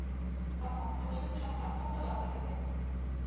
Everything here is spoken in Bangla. তখন শশিভূষণ অত্যন্ত জব্দ হইবে।